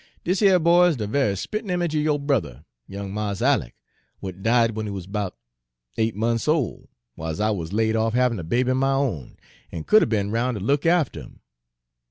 Dis yer boy is de ve'y spit an' image er yo' brother, young Mars Alick, w'at died w'en he wuz 'bout eight mont's ole, w'iles I wuz laid off havin' a baby er my own, an' couldn' be roun' ter look after 'im.